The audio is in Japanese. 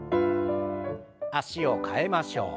脚を替えましょう。